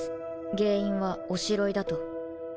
原因はおしろいだと。